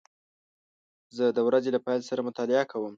زه د ورځې له پیل سره مطالعه کوم.